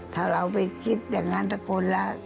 ถ้าเราไปคิดอย่างนั้นสักคนแล้ว